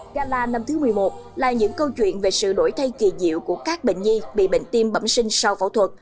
gala năm thứ một mươi một là những câu chuyện về sự đổi thay kỳ diệu của các bệnh nhi bị bệnh tim bẩm sinh sau phẫu thuật